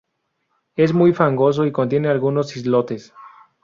Es muy fangoso y contiene algunos islotes.